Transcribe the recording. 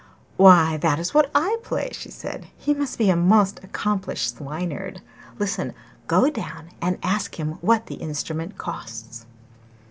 'Why, that is what I play!' she said. 'He must be a most accomplished Swineherd! Listen! Go down and ask him what the instrument costs.